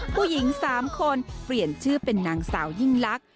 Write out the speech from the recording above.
ผู้หญิง๓คนเปลี่ยนชื่อเป็นนางสาวยิ่งลักษ